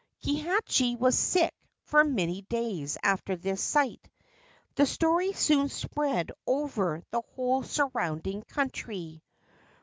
Kihachi was sick for many days after this sight. The story soon spread over the whole surrounding country.